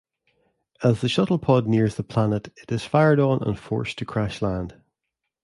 As the shuttlepod nears the planet, it is fired on and forced to crash-land.